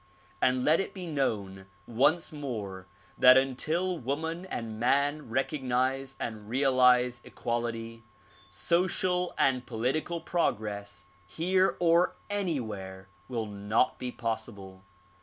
And let it be known once more that until woman and man recognize and realize ciiuality, social and political progress here or any where will not be possible.